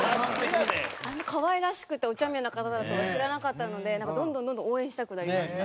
可愛らしくてお茶目な方だとは知らなかったのでなんかどんどんどんどん応援したくなりました。